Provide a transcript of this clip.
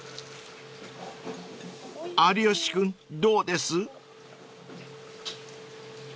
［有吉君どうです？］